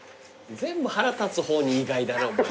全部腹立つ方に意外だなお前。